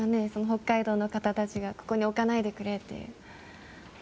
北海道の方たちがそこに置かないでくれって。